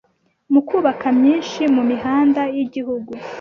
mu kubaka myinshi mu mihanda y’igihugu